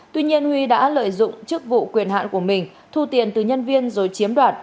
tuy nhiên huy đã lợi dụng chức vụ quyền hạn của mình thu tiền từ nhân viên rồi chiếm đoạt